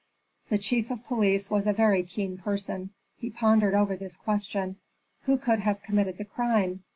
The chief of police was a very keen person; he pondered over this question, Who could have committed the crime?